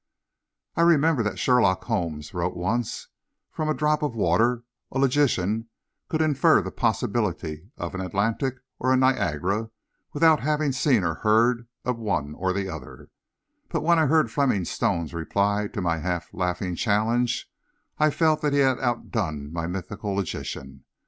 I remember that Sherlock Holmes wrote once, "From a drop of water, a logician could infer the possibility of an Atlantic or a Niagara without having seen or heard of one or the other," but when I heard Fleming Stone's reply to my half laughing challenge, I felt that he had outdone the mythical logician.